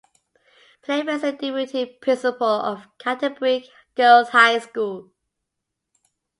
Playfair is the deputy principal of Canterbury Girls High School.